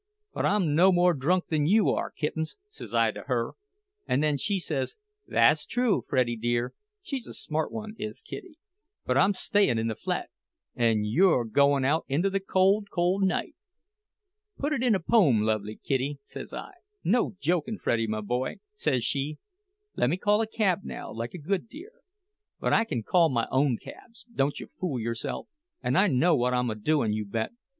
But I'm no more drunk than you are, Kittens,' says I to her. And then says she, 'Thass true, Freddie dear' (she's a smart one, is Kitty), 'but I'm stayin' in the flat, an' you're goin' out into the cold, cold night!' 'Put it in a pome, lovely Kitty,' says I. 'No jokin', Freddie, my boy,' says she. 'Lemme call a cab now, like a good dear'—but I can call my own cabs, dontcha fool yourself—and I know what I'm a doin', you bet!